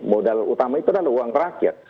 modal utama itu adalah uang rakyat